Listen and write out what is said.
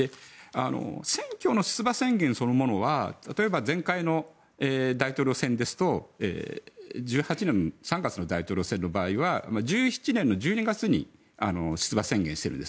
選挙の出馬宣言そのものは例えば前回の大統領選ですと３月の大統領選の場合は１７年の１２月に出馬宣言してるんです。